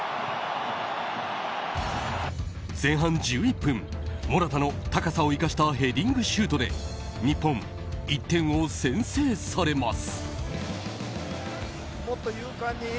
前半１１分モラタの高さを生かしたヘディングシュートで日本、１点を先制されます。